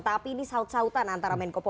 tapi ini sautan sautan antara menkopol